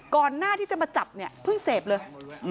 ก่อนหน้าที่จะมาจับเนี่ยเพิ่งเสพเลย